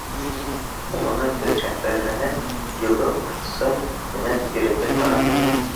Боҙланып бөткән тәҙрәне йылы усым менән иретеп ҡараным.